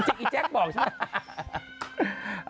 อีแจ๊คบอกใช่ไหม